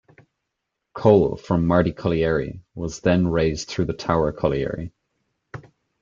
Coal from Mardy Colliery was then raised through Tower Colliery.